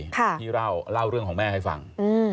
ที่เล่าเล่าเรื่องของแม่ให้ฟัง